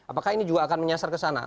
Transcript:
apakah ini juga akan menyasar ke sana